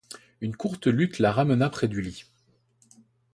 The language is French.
Une courte lutte la ramena près du lit.